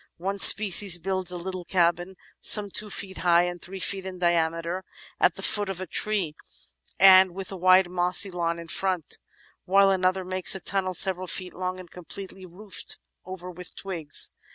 One species builds a little cabin, some two feet high and three feet in diameter, at the foot of a tree and with a wide mossy "lawn" in front, while another makes a tunnel several feet long and completely roofed over with twigs.